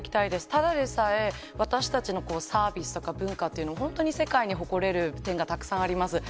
ただでさえ、私たちのサービスとか文化っていうのは、本当に世界に誇れる点がたくさんあります。